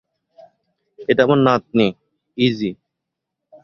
এটা আমার নাতনি, ইযি।